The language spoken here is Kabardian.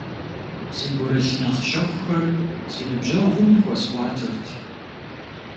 Си гурылъ нэхъ щэхухэр си ныбжьэгъум хуэсӏуатэрт.